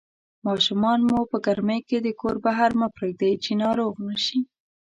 ماشومان مو په ګرمۍ کې د کور بهر مه پرېږدئ چې ناروغ نشي